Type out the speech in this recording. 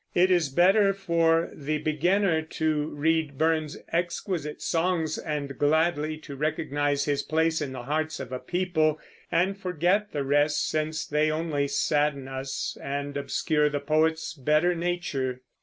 It is better for the beginner to read Burns's exquisite songs and gladly to recognize his place in the hearts of a people, and forget the rest, since they only sadden us and obscure the poet's better nature.